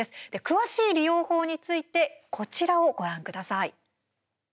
詳しい利用法についてこちらをご覧ください。